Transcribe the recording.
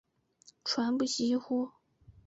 传不习乎？